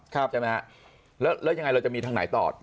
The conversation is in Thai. แล้วยังไงเราจะมีทางไหนต่อ